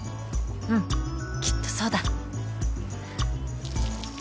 うんきっとそうだ